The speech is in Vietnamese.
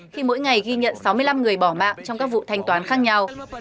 khi mỗi ngày ghi nhận sáu mươi năm người bỏ mạng trong các vụ thanh toán khác nhau